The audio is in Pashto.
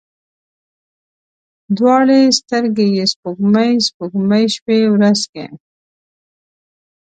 دواړې سترګي یې سپوږمۍ، سپوږمۍ شوې ورځ کې